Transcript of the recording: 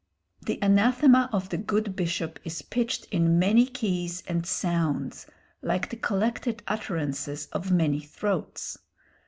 The anathema of the good bishop is pitched in many keys and sounds, like the collected utterances of many throats.